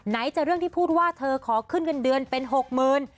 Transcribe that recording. ไหนจะเรื่องที่พูดว่าเธอขอขึ้นเงินเดือนเป็น๖๐๐๐๐บาท